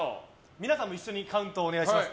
皆さんも一緒にカウントをお願いします。